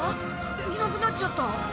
いなくなっちゃった。